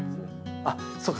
あっそうか。